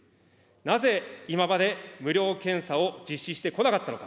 なぜ今まで無料検査を実施してこなかったのか。